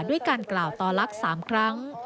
ด้วยการกล่าวต่อลักษณ์๓ครั้ง